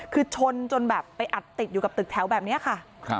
คือชนจนแบบไปอัดติดอยู่กับตึกแถวแบบนี้ค่ะ